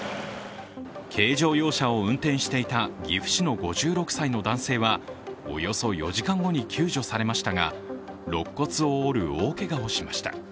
軽乗用車を運転していた岐阜市の５６歳の男性は、およそ４時間後に救助されましたがろっ骨を折る大けがをしました。